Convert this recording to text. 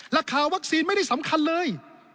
ราคาวัคซีนไม่ได้สำคัญเลย